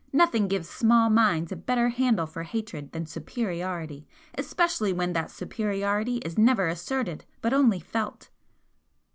Nothing gives small minds a better handle for hatred than superiority especially when that superiority is never asserted, but only felt."